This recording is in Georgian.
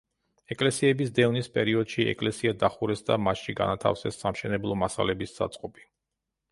ეკლესიების დევნის პერიოდში ეკლესია დახურეს და მასში განათავსეს სამშენებლო მასალების საწყობი.